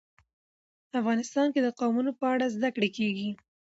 افغانستان کې د قومونه په اړه زده کړه کېږي.